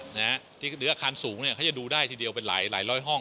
หรืออาคารสูงเขาจะดูได้ทีเดียวเป็นหลายร้อยห้อง